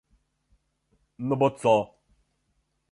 "No bo co?"